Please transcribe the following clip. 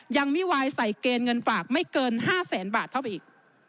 มิวายใส่เกณฑ์เงินฝากไม่เกิน๕แสนบาทเข้าไปอีก